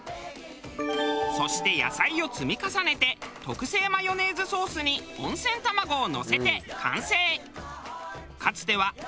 そして野菜を積み重ねて特製マヨネーズソースに温泉卵をのせて完成。